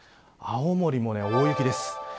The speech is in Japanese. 青森も大雪です。